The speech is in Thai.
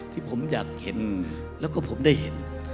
ที่ผมอยากเห็นแล้วก็ผมได้เห็น